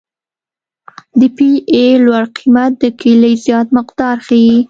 د پی ای لوړ قیمت د کلې زیات مقدار ښیي